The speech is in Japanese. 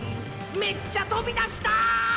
めっちゃとびだしたい！